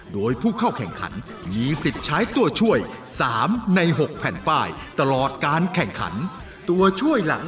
โดยผู้เข้าแข่งขันมีสิทธิ์ใช้ตัวช่วย๓ใน๖แผ่นป้ายตลอดการแข่งขันตัวช่วยหลัง